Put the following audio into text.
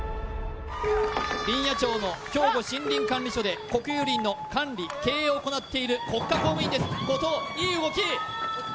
林野庁の兵庫森林管理署で国有林の管理経営を行っている国家公務員です